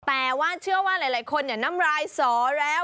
แต่ว่าเชื่อว่าหลายคนน้ำรายสอแล้ว